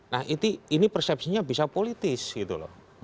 nah ini persepsinya bisa politis gitu loh